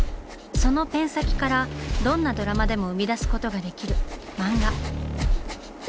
そのペン先からどんなドラマでも生み出すことができる「漫画」。